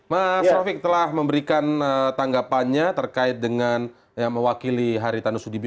mas rofiq telah memberikan tanggapannya terkait dengan yang mewakili haritanu sudibi